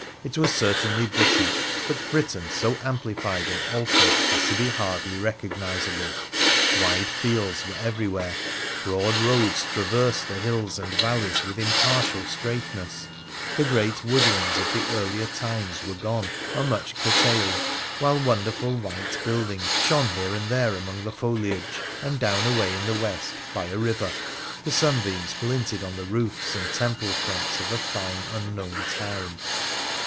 It was certainly Britain, but Britain so amplified and altered as to be hardly recognisable. Wide fields were everywhere, broad roads tra versed the hills and valleys with impartial straightness, the great woodlands of the earlier times were gone or much cur tailed, while wonderful white buildings shone here and there among the foliage, and down away in the west, by a river, the sunbeams glinted on the roofs and temple fronts of a fine, un known town.